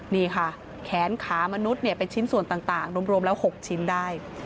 นี่ค่ะแขนขามนุษย์เป็นชิ้นส่วนต่างรวมแล้ว๖ชิ้นได้